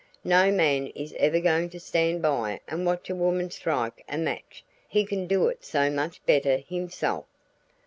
No man is ever going to stand by and watch a woman strike a match he can do it so much better himself.